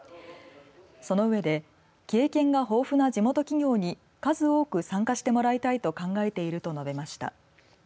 その上で経験が豊富な地元企業に数多く参加してもらいたいと考えていると述べました。